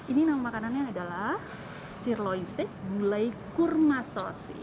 ini nama makanannya adalah sirloin steak gulai kurma sosi